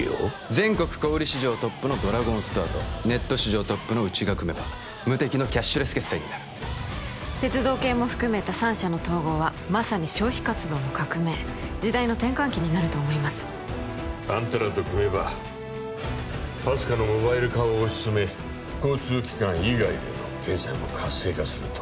全国小売市場トップのドラゴンストアとネット市場トップのうちが組めば無敵のキャッシュレス決済になる鉄道系も含めた３社の統合はまさに消費活動の革命時代の転換期になると思いますあんたらと組めばＰＡＳＣＡのモバイル化を推し進め交通機関以外での経済も活性化すると？